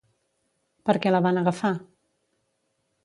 Per què la van agafar?